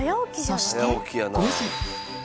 そして５時。